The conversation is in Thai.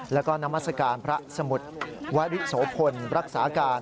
แล้วก็นามัศกาลพระสมุทรวริโสพลรักษาการ